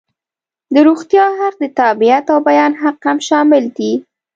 د روغتیا حق، د تابعیت او بیان حق هم شامل دي.